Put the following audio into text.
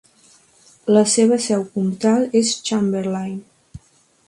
La seva seu comtal és Chamberlain.